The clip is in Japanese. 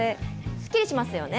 すっきりしますよね。